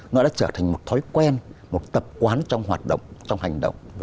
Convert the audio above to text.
nó đã trở thành một thói quen một tập quán trong hoạt động trong hành động